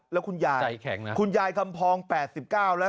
แล้วคุณยายใจแข็งนะคุณยายคำพองแปดสิบเก้าแล้ว